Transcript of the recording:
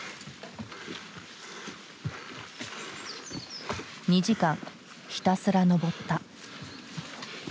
２時間ひたすら登った。